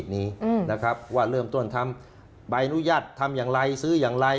นี้นะครับว่าเริ่มต้นทำใบอนุญาตทำอย่างไรซื้ออย่างไร